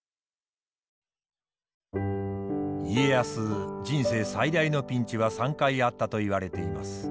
家康人生最大のピンチは３回あったといわれています。